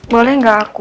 boleh gak aku